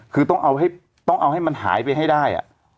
คือต้องเอาให้มันหายไปให้ได้